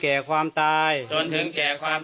ข้าพเจ้านางสาวสุภัณฑ์หลาโภ